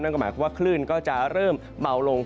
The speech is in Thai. หมายความว่าคลื่นก็จะเริ่มเบาลง